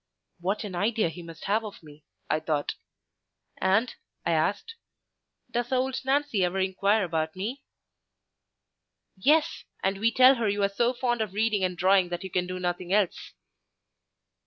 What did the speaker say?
"What an idea he must have of me!" I thought. "And," I asked, "does old Nancy ever inquire about me?" "Yes; and we tell her you are so fond of reading and drawing that you can do nothing else."